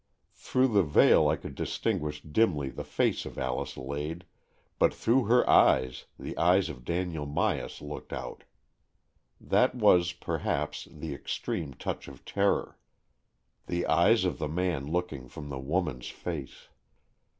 Through the veil I could distinguish dimly the face of Alice Lade, but through her eyes the eyes of Daniel Myas looked out. That was, perhaps, the supreme touch of terror — 182 AN EXCHANGE OF SOULS the eyes of the man looking from the woman's face.